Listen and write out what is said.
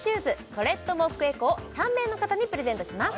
トレッドモックＥＣＯを３名の方にプレゼントします